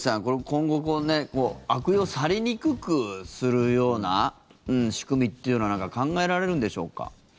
今後、悪用されにくくするような仕組みというのは何か考えられるんでしょうか？